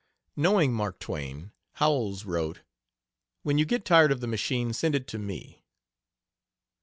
Knowing Mark Twain, Howells wrote: "When you get tired of the machine send it to me."